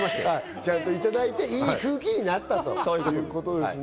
ちゃんといただいて、いい空気になったということですね。